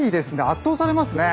圧倒されますね。